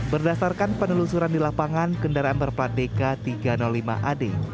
berdasarkan penelusuran di lapangan kendaraan berpatdeka tiga ratus lima ad